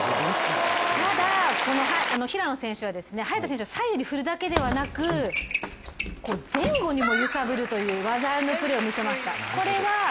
ただこの平野選手、早田選手を左右に振るだけではなく前後にも揺さぶるという技ありのプレーを見せました。